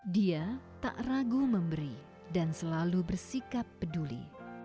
dia tak ragu memberi dan selalu bersikap peduli